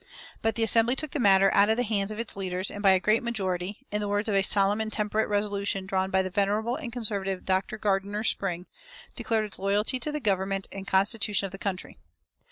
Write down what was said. But the Assembly took the matter out of the hands of its leaders, and by a great majority, in the words of a solemn and temperate resolution drawn by the venerable and conservative Dr. Gardiner Spring, declared its loyalty to the government and constitution of the country.